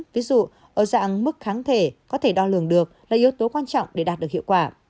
ví dụ ở dạng mức kháng thể có thể đo lường được là yếu tố quan trọng để đạt được hiệu quả